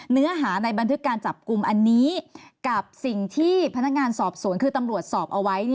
เนื้อหาในบันทึกการจับกลุ่มอันนี้กับสิ่งที่พนักงานสอบสวนคือตำรวจสอบเอาไว้